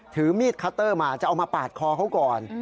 ถือมีดคัตเตอร์มาจะเอามาปาดคอเขาก่อน